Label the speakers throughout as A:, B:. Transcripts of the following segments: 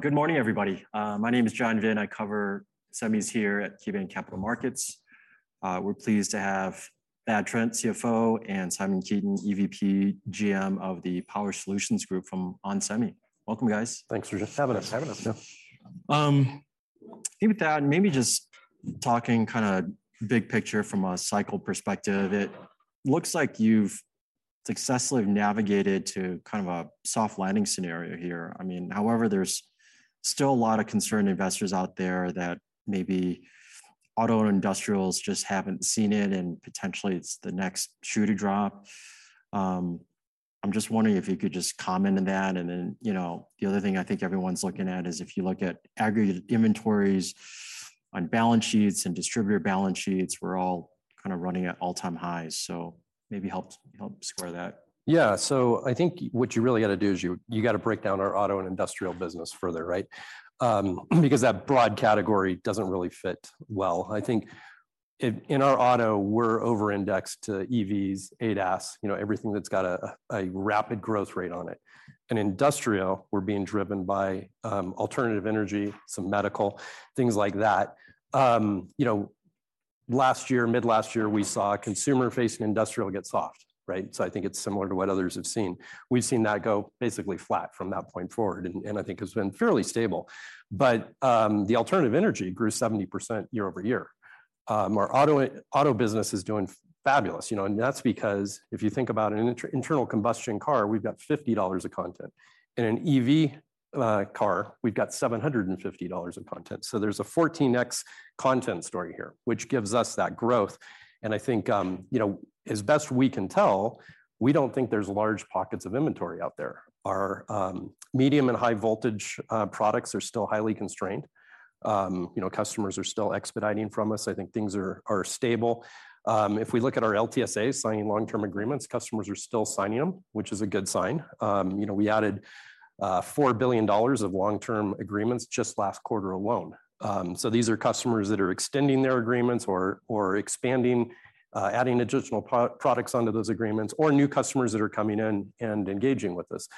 A: Good morning, everybody. My name is John Vinh. I cover semis here at KeyBanc Capital Markets. We're pleased to have Thad Trent, CFO, and Simon Keeton, EVP GM of the Power Solutions Group from onsemi. Welcome, guys.
B: Thanks for just having us.
C: Having us, yeah.
A: Maybe, Thad, maybe just talking kind of big picture from a cycle perspective, it looks like you've successfully navigated to kind of a soft landing scenario here. I mean, however, there's still a lot of concerned investors out there that maybe auto industrials just haven't seen it, and potentially it's the next shoe to drop. I'm just wondering if you could just comment on that, and then, you know, the other thing I think everyone's looking at is if you look at aggregate inventories on balance sheets and distributor balance sheets, we're all kind of running at all-time highs, so maybe help, help square that.
B: Yeah. I think what you really got to do is you, you got to break down our auto and industrial business further, right? Because that broad category doesn't really fit well. I think in, in our auto, we're over-indexed to EVs, ADAS, you know, everything that's got a, a rapid growth rate on it. In industrial, we're being driven by, alternative energy, some medical, things like that. you know, last year, mid-last year, we saw consumer-facing industrial get soft, right? I think it's similar to what others have seen. We've seen that go basically flat from that point forward, and I think it's been fairly stable. The alternative energy grew 70% year-over-year. Our auto, auto business is doing fabulous, you know. That's because if you think about an internal combustion car, we've got $50 of content. In an EV car, we've got $750 of content. There's a 14x content story here, which gives us that growth, and I think, you know, as best we can tell, we don't think there's large pockets of inventory out there. Our medium and high voltage products are still highly constrained. You know, customers are still expediting from us. I think things are, are stable. If we look at our LTSAs, signing long-term agreements, customers are still signing them, which is a good sign. You know, we added $4 billion of long-term agreements just last quarter alone. These are customers that are extending their agreements or expanding, adding additional products onto those agreements, or new customers that are coming in and engaging with us.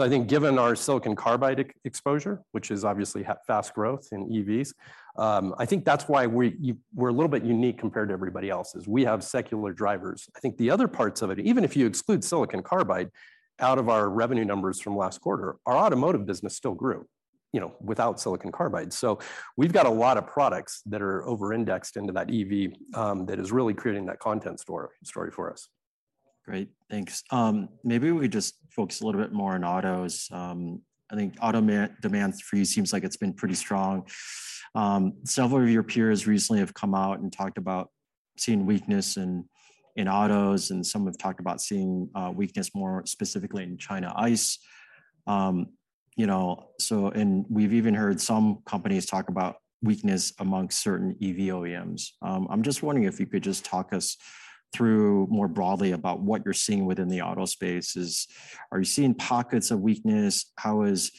B: I think given our silicon carbide exposure, which is obviously fast growth in EVs, I think that's why we- you- we're a little bit unique compared to everybody else, is we have secular drivers. I think the other parts of it, even if you exclude silicon carbide, out of our revenue numbers from last quarter, our automotive business still grew, you know, without silicon carbide. We've got a lot of products that are over-indexed into that EV, that is really creating that content story for us.
A: Great, thanks. Maybe we just focus a little bit more on autos. I think auto demand for you seems like it's been pretty strong. Several of your peers recently have come out and talked about seeing weakness in, in autos, and some have talked about seeing weakness more specifically in China ICE. You know, so and we've even heard some companies talk about weakness amongst certain EV OEMs. I'm just wondering if you could just talk us through more broadly about what you're seeing within the auto space. Are you seeing pockets of weakness? How is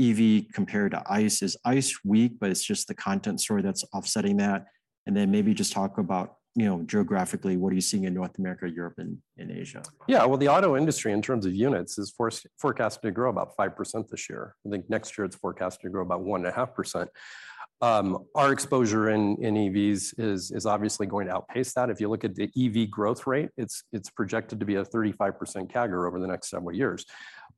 A: EV compared to ICE? Is ICE weak, but it's just the content story that's offsetting that? And then maybe just talk about, you know, geographically, what are you seeing in North America, Europe, and in Asia?
B: Yeah, well, the auto industry, in terms of units, is forecasted to grow about 5% this year. I think next year it's forecasted to grow about 1.5%. Our exposure in EVs is obviously going to outpace that. If you look at the EV growth rate, it's projected to be a 35% CAGR over the next several years.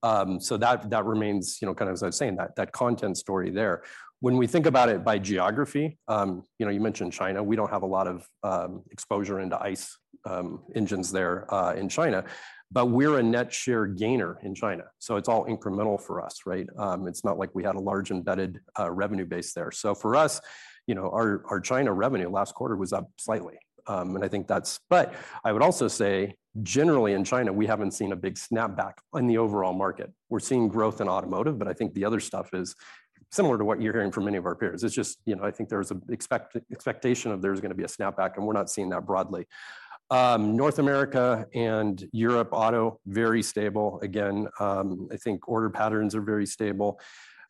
B: That, that remains, you know, kind of as I was saying, that, that content story there. When we think about it by geography, you know, you mentioned China, we don't have a lot of exposure into ICE engines there in China, we're a net share gainer in China, it's all incremental for us, right? It's not like we had a large embedded revenue base there. For us, you know, our China revenue last quarter was up slightly. I would also say, generally in China, we haven't seen a big snapback in the overall market. We're seeing growth in automotive, but I think the other stuff is similar to what you're hearing from many of our peers. It's just, you know, I think there's a expectation of there's gonna be a snapback, and we're not seeing that broadly. North America and Europe auto, very stable. Again, I think order patterns are very stable.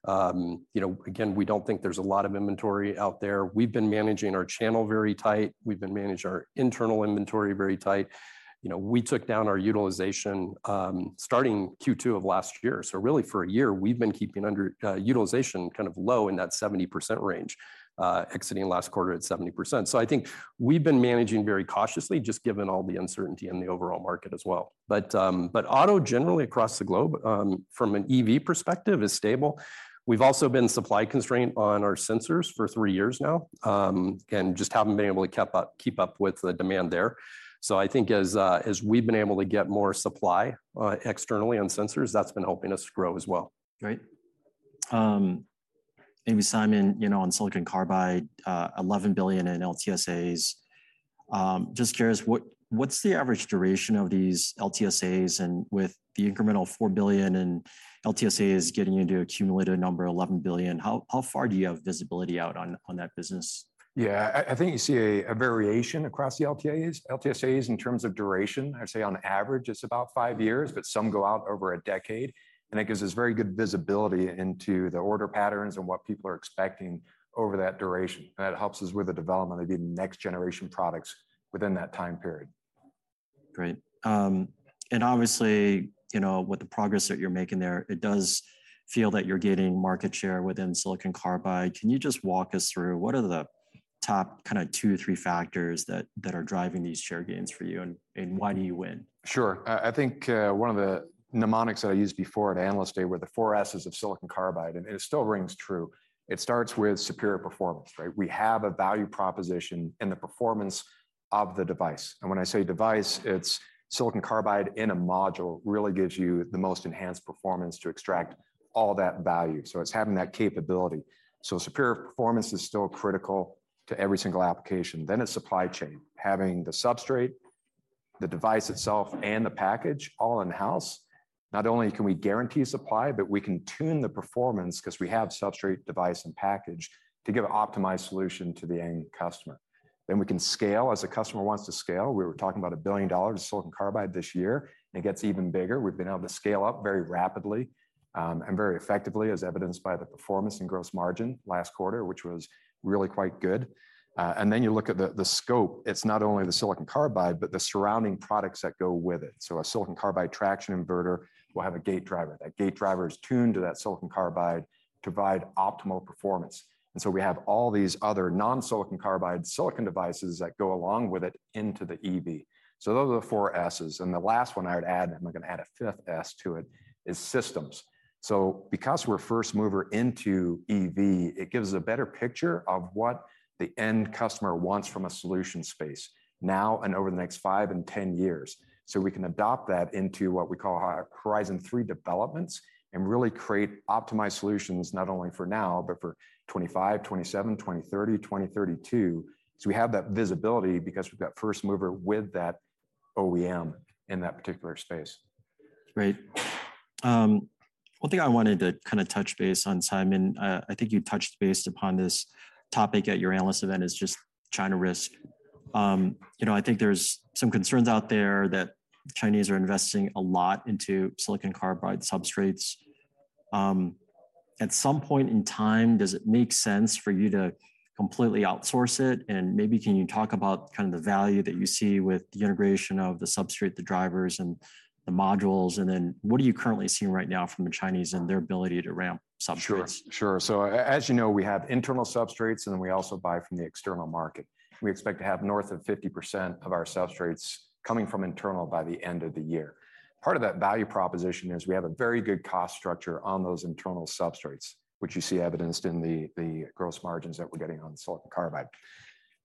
B: You know, again, we don't think there's a lot of inventory out there. We've been managing our channel very tight. We've been managing our internal inventory very tight. You know, we took down our utilization, starting Q2 of last year. Really, for a year, we've been keeping under utilization kind of low in that 70% range, exiting last quarter at 70%. I think we've been managing very cautiously, just given all the uncertainty in the overall market as well. Auto generally across the globe, from an EV perspective, is stable. We've also been supply constrained on our sensors for 3 years now, and just haven't been able to keep up with the demand there. I think as as we've been able to get more supply, externally on sensors, that's been helping us grow as well.
A: Great. Maybe Simon, you know, on silicon carbide, $11 billion in LTSAs, just curious, what, what's the average duration of these LTSAs, and with the incremental $4 billion in LTSAs getting into accumulated number $11 billion, how, how far do you have visibility out on, on that business?
C: Yeah, I think you see a variation across the LTAS, LTSAs in terms of duration. I'd say on average, it's about five years, but some go out over a decade, and it gives us very good visibility into the order patterns and what people are expecting over that duration. It helps us with the development of the next generation products within that time period.
A: Great. Obviously, you know, with the progress that you're making there, it does feel that you're gaining market share within silicon carbide. Can you just walk us through what are the top kind of two, three factors that are driving these share gains for you, and why do you win?
C: Sure. I think one of the mnemonics that I used before at Analyst Day were the four S's of silicon carbide, and it still rings true. It starts with superior performance, right? We have a value proposition in the performance of the device. When I say device, it's silicon carbide in a module really gives you the most enhanced performance to extract all that value, so it's having that capability. Superior performance is still critical to every single application. It's supply chain. Having the substrate, the device itself, and the package all in-house, not only can we guarantee supply, but we can tune the performance 'cause we have substrate, device, and package to give an optimized solution to the end customer. We can scale as a customer wants to scale. We were talking about $1 billion of silicon carbide this year, and it gets even bigger. We've been able to scale up very rapidly and very effectively, as evidenced by the performance and gross margin last quarter, which was really quite good. Then you look at the, the scope. It's not only the silicon carbide, but the surrounding products that go with it. A silicon carbide traction inverter will have a gate driver. That gate driver is tuned to that silicon carbide to provide optimal performance. We have all these other non-silicon carbide silicon devices that go along with it into the EV. Those are the four S's, and the last one I would add, I'm gonna add a fifth S to it, is systems. Because we're first mover into EV, it gives a better picture of what the end customer wants from a solution space now and over the next five and 10 years. We can adopt that into what we call our Horizon Three developments and really create optimized solutions, not only for now, but for 2025, 2027, 2030, 2032. We have that visibility because we've got first mover with that OEM in that particular space.
A: Great. One thing I wanted to kind of touch base on, Simon, I think you touched base upon this topic at your analyst event, is just China risk. You know, I think there's some concerns out there that the Chinese are investing a lot into silicon carbide substrates. At some point in time, does it make sense for you to completely outsource it? Maybe can you talk about kind of the value that you see with the integration of the substrate, the drivers, and the modules? Then, what are you currently seeing right now from the Chinese and their ability to ramp substrates?
C: Sure, sure. As you know, we have internal substrates, and then we also buy from the external market. We expect to have north of 50% of our substrates coming from internal by the end of the year. Part of that value proposition is we have a very good cost structure on those internal substrates, which you see evidenced in the gross margins that we're getting on silicon carbide.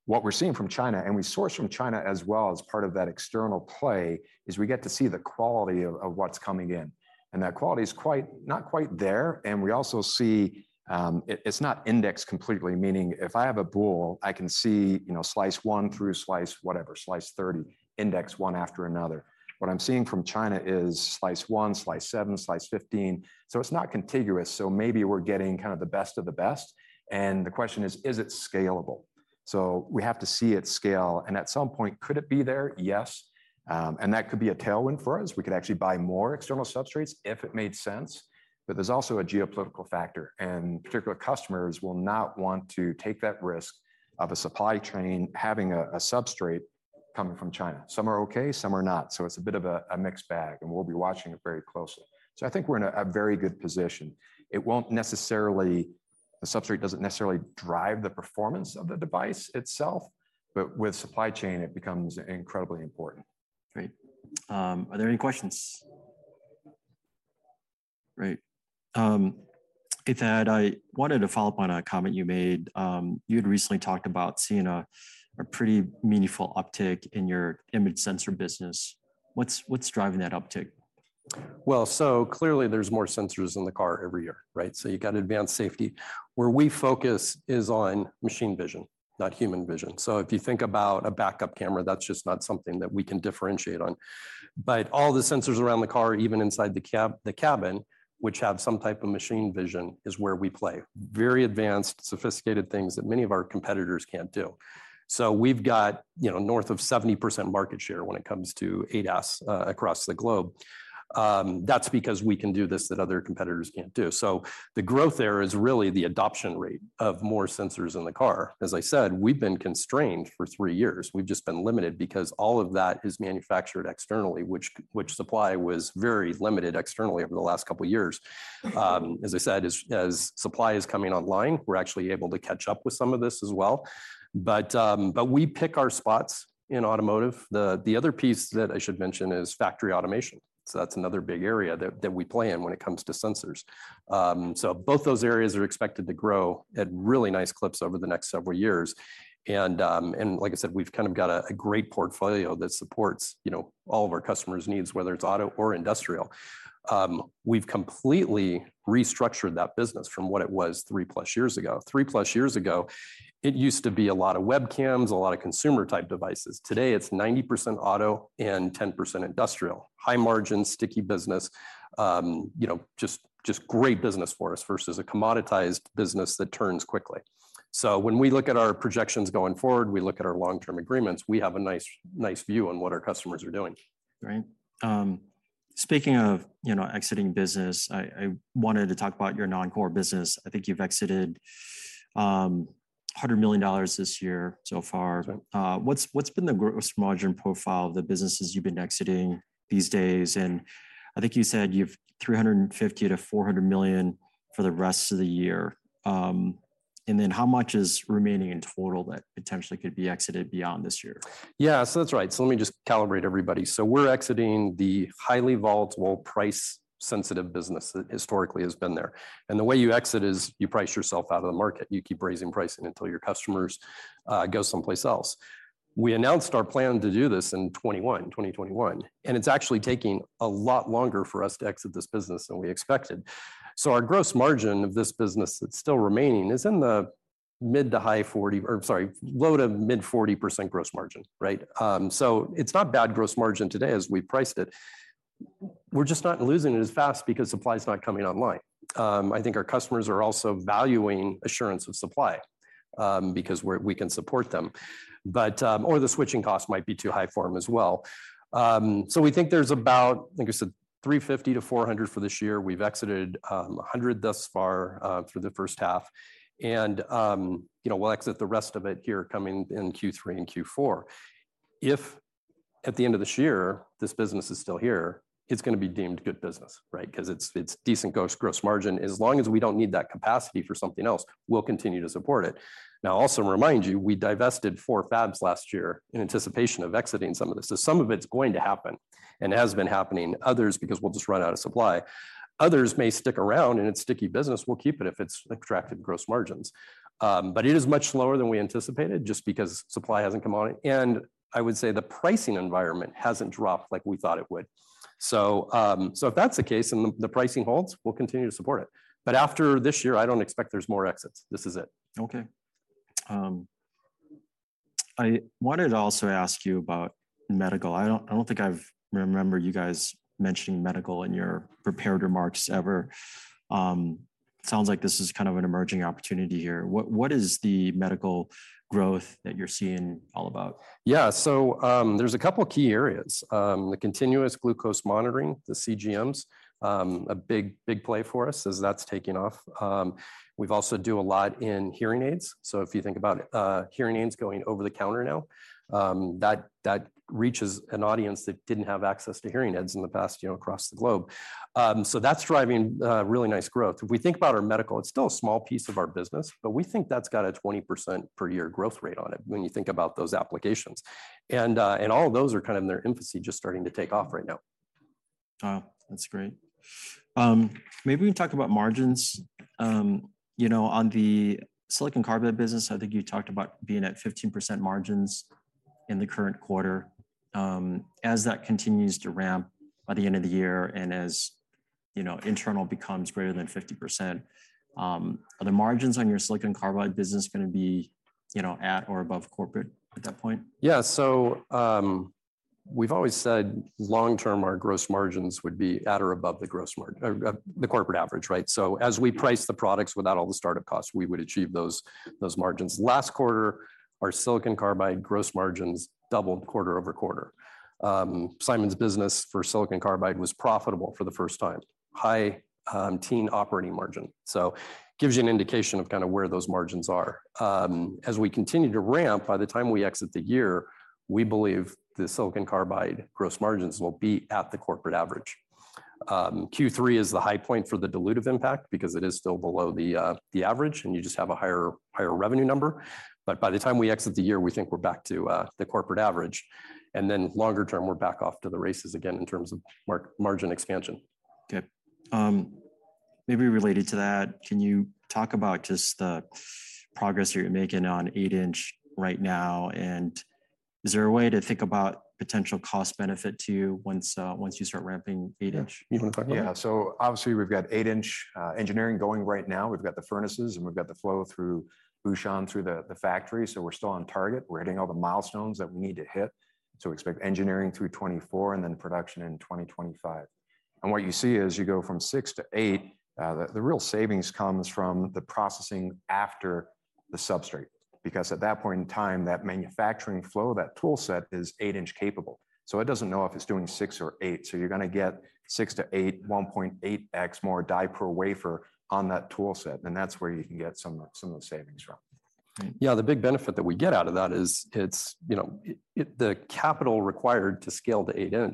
C: What we're seeing from China, and we source from China as well as part of that external play, is we get to see the quality of what's coming in, and that quality is not quite there. We also see, it's not indexed completely, meaning if I have a bull, I can see, you know, slice one through slice whatever, slice 30, index on after another. What I'm seeing from China is slice one, slice 7, slice 15, so it's not contiguous, so maybe we're getting kind of the best of the best. The question is: Is it scalable? We have to see it scale, and at some point, could it be there? Yes, and that could be a tailwind for us. We could actually buy more external substrates if it made sense. There's also a geopolitical factor, and particular customers will not want to take that risk of a supply chain having a, a substrate coming from China. Some are okay, some are not. It's a bit of a, a mixed bag, and we'll be watching it very closely. I think we're in a, a very good position. It won't necessarily, the substrate doesn't necessarily drive the performance of the device itself, but with supply chain, it becomes incredibly important.
A: Great. Are there any questions? Great. Thad, I wanted to follow up on a comment you made. You had recently talked about seeing a, a pretty meaningful uptick in your image sensor business. What's, what's driving that uptick?
B: Well, clearly, there's more sensors in the car every year, right? You've got advanced safety. If you think about a backup camera, that's just not something that we can differentiate on. All the sensors around the car, even inside the cabin, which have some type of machine vision, is where we play. Very advanced, sophisticated things that many of our competitors can't do. We've got, you know, north of 70% market share when it comes to ADAS across the globe. That's because we can do this, that other competitors can't do. The growth there is really the adoption rate of more sensors in the car. As I said, we've been constrained for three years. We've just been limited because all of that is manufactured externally, which, which supply was very limited externally over the last couple of years. As I said, as, as supply is coming online, we're actually able to catch up with some of this as well. We pick our spots in automotive. The, the other piece that I should mention is factory automation, so that's another big area that, that we play in when it comes to sensors. Both those areas are expected to grow at really nice clips over the next several years. Like I said, we've kind of got a, a great portfolio that supports, you know, all of our customers' needs, whether it's auto or industrial. We've completely restructured that business from what it was 3+` years ago. 3+ years ago, it used to be a lot of webcams, a lot of consumer-type devices. Today, it's 90% auto and 10% industrial. High margin, sticky business, you know, great business for us versus a commoditized business that turns quickly. When we look at our projections going forward, we look at our long-term agreements, we have a nice view on what our customers are doing.
A: Great. Speaking of, you know, exiting business, I, I wanted to talk about your non-core business. I think you've exited $100 million this year so far.
B: Right.
A: What's, what's been the gross margin profile of the businesses you've been exiting these days? I think you said you've $350 million-$400 million for the rest of the year. How much is remaining in total that potentially could be exited beyond this year?
B: Yeah, that's right. Let me just calibrate everybody. We're exiting the highly volatile, price-sensitive business that historically has been there. The way you exit is you price yourself out of the market. You keep raising pricing until your customers go someplace else. We announced our plan to do this in 2021, and it's actually taking a lot longer for us to exit this business than we expected. Our gross margin of this business that's still remaining is in the mid to high 40%, or sorry, low to mid 40% gross margin, right? It's not bad gross margin today as we priced it. We're just not losing it as fast because supply is not coming online. I think our customers are also valuing assurance of supply because we're-- we can support them, or the switching costs might be too high for them as well. We think there's about, I think I said, $350 million-$400 million for this year. We've exited $100 million thus far, through the first half. You know, we'll exit the rest of it here coming in Q3 and Q4. If at the end of this year, this business is still here, it's gonna be deemed good business, right? Because it's, it's decent gross, gross margin. As long as we don't need that capacity for something else, we'll continue to support it. Now, also remind you, we divested four fabs last year in anticipation of exiting some of this. Some of it's going to happen and has been happening. Others, because we'll just run out of supply. Others may stick around, and it's sticky business, we'll keep it if it's attractive gross margins. But it is much slower than we anticipated, just because supply hasn't come on it. I would say the pricing environment hasn't dropped like we thought it would. If that's the case and the, the pricing holds, we'll continue to support it. After this year, I don't expect there's more exits. This is it.
A: Okay. I wanted to also ask you about medical. I don't think I've remembered you guys mentioning medical in your prepared remarks ever. Sounds like this is kind of an emerging opportunity here. What is the medical growth that you're seeing all about?
B: Yeah. There's a couple key areas. The continuous glucose monitoring, the CGMs, a big, big play for us as that's taking off. We've also do a lot in hearing aids. If you think about hearing aids going over the counter now, that, that reaches an audience that didn't have access to hearing aids in the past, you know, across the globe. That's driving really nice growth. If we think about our medical, it's still a small piece of our business, but we think that's got a 20% per year growth rate on it when you think about those applications. All of those are kind of in their infancy, just starting to take off right now.
A: Wow, that's great. Maybe we can talk about margins. You know, on the silicon carbide business, I think you talked about being at 15% margins in the current quarter. As that continues to ramp by the end of the year, and as, you know, internal becomes greater than 50%, are the margins on your silicon carbide business gonna be, you know, at or above corporate at that point?
B: Yeah. We've always said long term, our gross margins would be at or above the gross margin, the corporate average, right? As we price the products without all the start-up costs, we would achieve those, those margins. Last quarter, our silicon carbide gross margins doubled quarter-over-quarter. Simon's business for silicon carbide was profitable for the first time. High teen operating margin. Gives you an indication of kind of where those margins are. As we continue to ramp, by the time we exit the year, we believe the silicon carbide gross margins will be at the corporate average. Q3 is the high point for the dilutive impact because it is still below the average, and you just have a higher, higher revenue number. By the time we exit the year, we think we're back to the corporate average, and then longer term, we're back off to the races again in terms of margin expansion.
A: Okay. maybe related to that, can you talk about just the progress you're making on 8 in right now? Is there a way to think about potential cost benefit to you once, once you start ramping 8 in?
B: Yeah. You want to talk about.
C: Yeah. Obviously, we've got 8 in engineering going right now. We've got the furnaces, and we've got the flow through Bucheon, through the factory, so we're still on target. We're hitting all the milestones that we need to hit, so we expect engineering through 2024 and then production in 2025. What you see as you go from 6 in to 8 in, the real savings comes from the processing after the substrate, because at that point in time, that manufacturing flow, that tool set is 8 in capable. It doesn't know if it's doing 6 in or 8 in, so you're gonna get 6 in to 8 in, 1.8x more die per wafer on that tool set, and that's where you can get some of the savings from.
B: Yeah, the big benefit that we get out of that is it's, you know, the capital required to scale to 8 in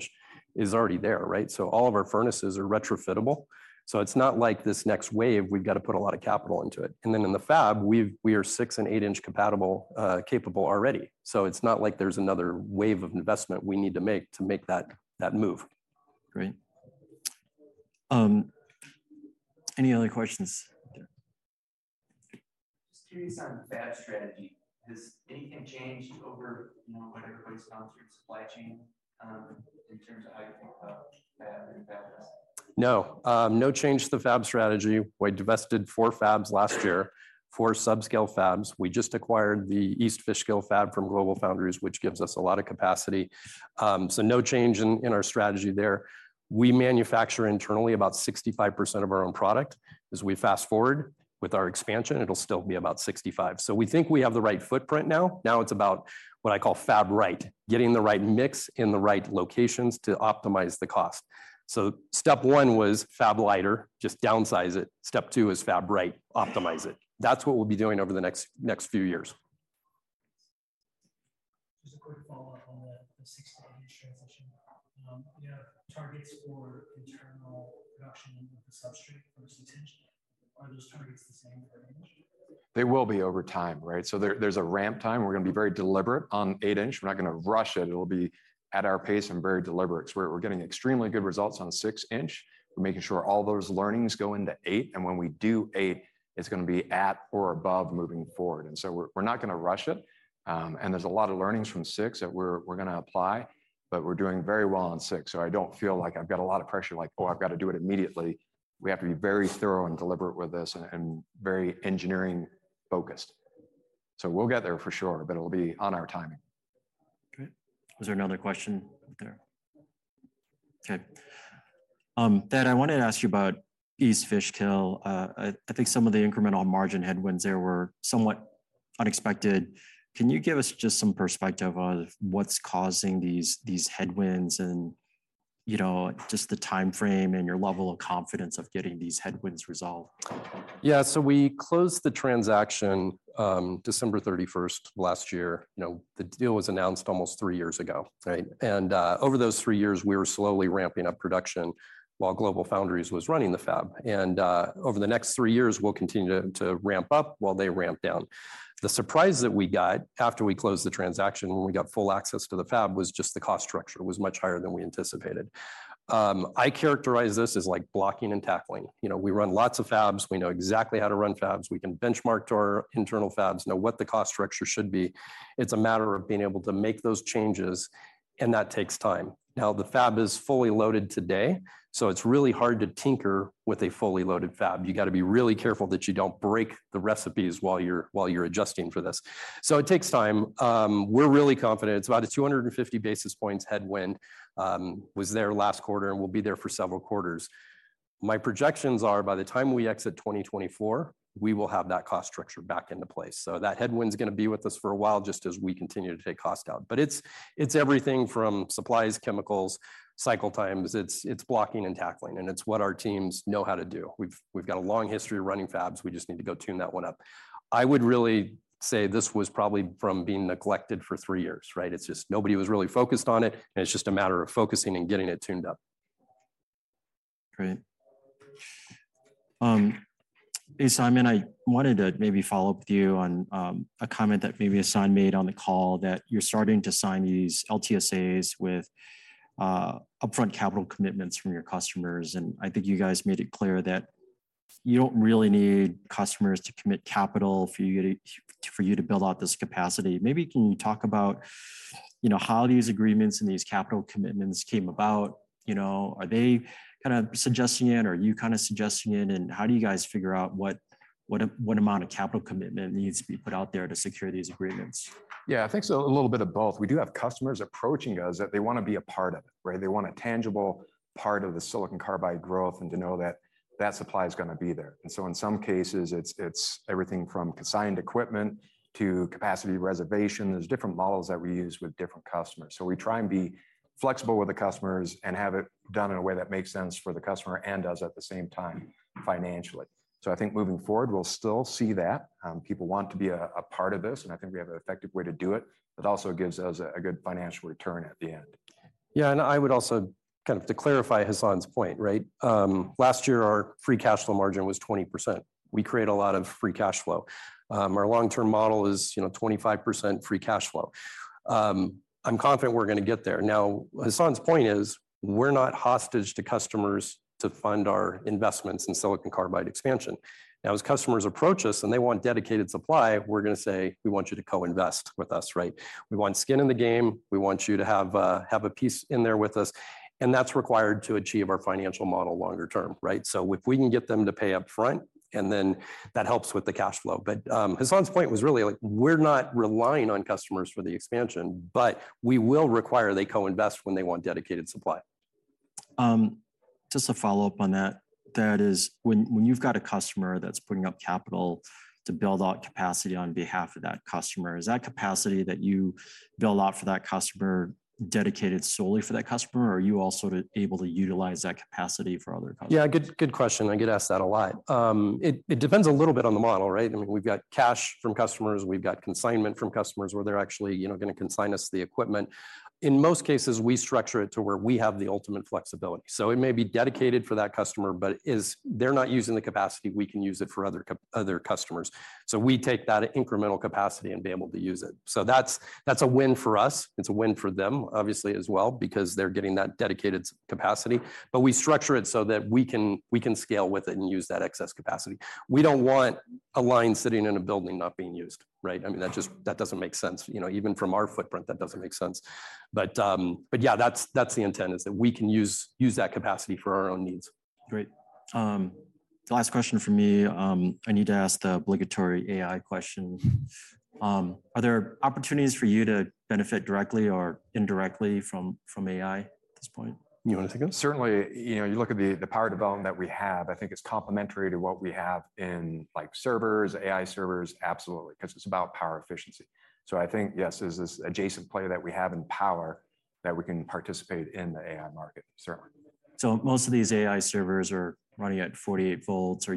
B: is already there, right? All of our furnaces are retrofittable. It's not like this next wave, we've got to put a lot of capital into it. Then in the fab, we are 6 in and 8 in compatible, capable already. It's not like there's another wave of investment we need to make to make that, that move.
A: Great. Any other questions?
D: Just curious on the fab strategy. Has anything changed over, you know, what everybody's
B: No. No change to the fab strategy. We divested four fabs last year, four sub-scale fabs. We just acquired the East Fishkill fab from GlobalFoundries, which gives us a lot of capacity. No change in, in our strategy there. We manufacture internally about 65% of our own product. As we fast forward with our expansion, it'll still be about 65. We think we have the right footprint now. Now, it's about what I call Fab Right, getting the right mix in the right locations to optimize the cost. Step one was Fab Liter, just downsize it. Step two is Fab Right, optimize it. That's what we'll be doing over the next, next few years.
D: targets for internal production of the substrate for this attention, are those targets the same for inch?
B: They will be over time, right? There, there's a ramp time. We're gonna be very deliberate on 8 in. We're not gonna rush it. It'll be at our pace and very deliberate. We're, we're getting extremely good results on 6 in. We're making sure all those learnings go into 8 in, and when we do 8 in, it's gonna be at or above moving forward. We're, we're not gonna rush it. There's a lot of learnings from 6 in that we're, we're gonna apply, but we're doing very well on 6 in, so I don't feel like I've got a lot of pressure, like, "Oh, I've got to do it immediately." We have to be very thorough and deliberate with this and, and very engineering focused. We'll get there for sure, but it'll be on our timing.
A: Great. Was there another question there? Okay. I wanted to ask you about East Fishkill. I, I think some of the incremental margin headwinds there were somewhat unexpected. Can you give us just some perspective on what's causing these, these headwinds and, you know, just the time frame and your level of confidence of getting these headwinds resolved?
B: Yeah, we closed the transaction, December 31st last year. You know, the deal was announced almost three years ago, right? Over those three years, we were slowly ramping up production while GlobalFoundries was running the fab. Over the next three years, we'll continue to, to ramp up while they ramp down. The surprise that we got after we closed the transaction, when we got full access to the fab, was just the cost structure was much higher than we anticipated. I characterize this as like blocking and tackling. You know, we run lots of fabs. We know exactly how to run fabs. We can benchmark to our internal fabs, know what the cost structure should be. It's a matter of being able to make those changes, and that takes time. The fab is fully loaded today, so it's really hard to tinker with a fully loaded fab. You've got to be really careful that you don't break the recipes while you're, while you're adjusting for this. It takes time. We're really confident. It's about a 250 basis points headwind was there last quarter and will be there for several quarters. My projections are by the time we exit 2024, we will have that cost structure back into place. That headwind's gonna be with us for a while, just as we continue to take cost out. It's, it's everything from supplies, chemicals, cycle times. It's, it's blocking and tackling, and it's what our teams know how to do. We've, we've got a long history of running fabs. We just need to go tune that one up. I would really say this was probably from being neglected for three years, right? It's just nobody was really focused on it, and it's just a matter of focusing and getting it tuned up.
A: Great. Hey, Simon, I wanted to maybe follow up with you on, a comment that maybe Hassane made on the call that you're starting to sign these LTSAs with, upfront capital commitments from your customers, and I think you guys made it clear that you don't really need customers to commit capital for you to, for you to build out this capacity. Maybe can you talk about, you know, how these agreements and these capital commitments came about? You know, are they kind of suggesting it, or are you kind of suggesting it, and how do you guys figure out what, what amount of capital commitment needs to be put out there to secure these agreements?
C: Yeah, I think so a little bit of both. We do have customers approaching us that they want to be a part of it, right? They want a tangible part of the silicon carbide growth and to know that that supply is gonna be there. In some cases, it's everything from consigned equipment to capacity reservation. There's different models that we use with different customers. We try and be flexible with the customers and have it done in a way that makes sense for the customer and us at the same time, financially. I think moving forward, we'll still see that. People want to be a part of this, and I think we have an effective way to do it. It also gives us a good financial return at the end.
B: Yeah, and I would also-- kind of to clarify Hassane's point, right? Last year, our free cash flow margin was 20%. We create a lot of free cash flow. Our long-term model is, you know, 25% free cash flow. I'm confident we're gonna get there. Now, Hassane's point is, we're not hostage to customers to fund our investments in silicon carbide expansion. Now, as customers approach us, and they want dedicated supply, we're gonna say, "We want you to co-invest with us," right? We want skin in the game. We want you to have a, have a piece in there with us, and that's required to achieve our financial model longer term, right? If we can get them to pay up front, and then that helps with the cash flow. Hassane's point was really like we're not relying on customers for the expansion, but we will require they co-invest when they want dedicated supply.
A: Just to follow up on that, that is, when, when you've got a customer that's putting up capital to build out capacity on behalf of that customer, is that capacity that you build out for that customer dedicated solely for that customer, or are you also able to utilize that capacity for other customers?
B: Yeah, good, good question. I get asked that a lot. It, it depends a little bit on the model, right? I mean, we've got cash from customers. We've got consignment from customers, where they're actually, you know, gonna consign us the equipment. In most cases, we structure it to where we have the ultimate flexibility. It may be dedicated for that customer, but it is if they're not using the capacity, we can use it for other customers. We take that incremental capacity and be able to use it. That's, that's a win for us. It's a win for them, obviously, as well, because they're getting that dedicated capacity. We structure it so that we can, we can scale with it and use that excess capacity. We don't want a line sitting in a building not being used, right? I mean, that doesn't make sense. You know, even from our footprint, that doesn't make sense. Yeah, that's, that's the intent, is that we can use, use that capacity for our own needs.
A: Great. Last question from me. I need to ask the obligatory AI question. Are there opportunities for you to benefit directly or indirectly from, from AI at this point?
B: You wanna take it?
C: Certainly, you know, you look at the, the power development that we have, I think it's complementary to what we have in, like, servers, AI servers, absolutely, 'cause it's about power efficiency. I think, yes, there's this adjacent play that we have in power that we can participate in the AI market, certainly.
A: Most of these AI servers are running at 48 volts.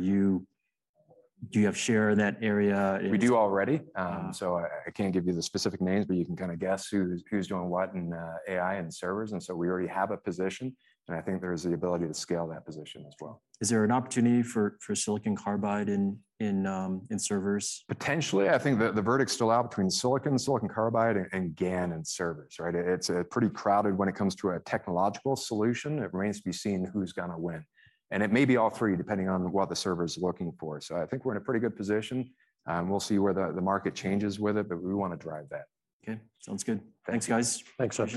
A: Do you have share of that area?
B: We do already.
A: Ah.
B: I, I can't give you the specific names, but you can kind of guess who's, who's doing what in AI and servers, and so we already have a position, and I think there's the ability to scale that position as well.
A: Is there an opportunity for, for silicon carbide in, in, in servers?
B: Potentially. I think the, the verdict's still out between silicon, silicon carbide, and GaN in servers, right? It's pretty crowded when it comes to a technological solution. It remains to be seen who's gonna win. It may be all three, depending on what the server's looking for. I think we're in a pretty good position. We'll see where the, the market changes with it. We want to drive that.
A: Okay, sounds good.
B: Thanks.
A: Thanks, guys.
B: Thanks.